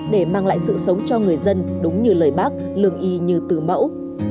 để mang lại sự sống cho người dân đúng như lời bác lương y như từ mẫu